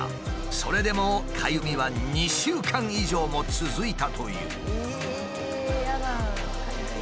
それでもかゆみは２週間以上も続いたという。